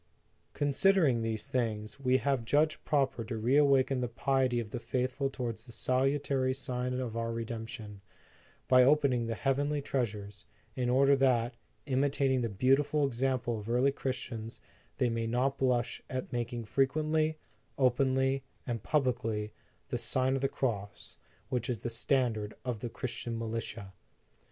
"Considering these things, we have judged proper to reawaken the piety of the faithful towards the salutary sign of our Redemption, by opening the heavenly treasures, in order that, imitating the beautiful example of the early Christians, they may not blush at making frequently, openly, and publicly the Sign of the Cross, which is the standard of the Christian militia.